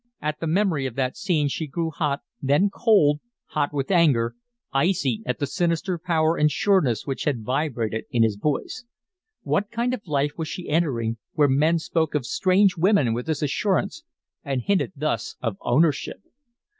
At the memory of that scene she grew hot, then cold hot with anger, icy at the sinister power and sureness which had vibrated in his voice. What kind of life was she entering where men spoke of strange women with this assurance and hinted thus of ownership?